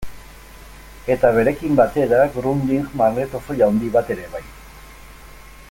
Eta berekin batera Grundig magnetofoi handi bat ere bai.